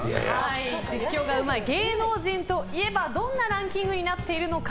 実況がうまい芸能人といえばどんなランキングになっているのか。